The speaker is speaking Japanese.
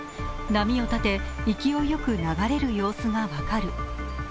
波を立て勢いよく流れる様子が分かる。